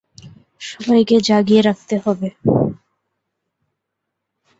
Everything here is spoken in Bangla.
সবাইকে জাগিয়ে রাখতে হবে।